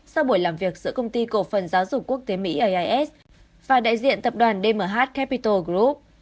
sau buổi làm việc giữa công ty cổ phần giáo dục quốc tế mỹ ais và đại diện tập đoàn dmh capital group